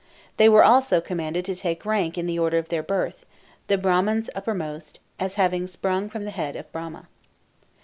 They were also commanded to take rank in the order of their birth, the Brahmans uppermost, as having sprung from the head of Brahma.